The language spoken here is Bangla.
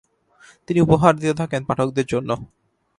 তিনি উপহার দিতে থাকেন পাঠকদের জন্য।